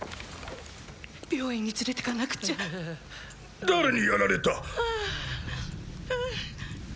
病院に連れてかなくちゃ誰にやられた！？